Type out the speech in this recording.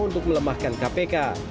untuk melemahkan kpk